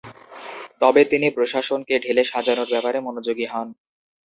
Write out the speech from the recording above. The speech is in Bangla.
তবে তিনি প্রশাসনকে ঢেলে সাজানোর ব্যাপারে মনোযোগী হন।